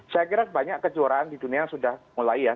saya kira banyak kejuaraan di dunia sudah mulai ya